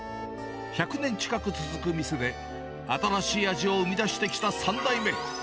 １００年近く続く店で、新しい味を生み出してきた３代目。